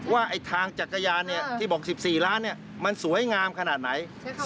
ว่าทางจักรยานที่บอก๑๔ล้านมันสวยงามขนาดไหน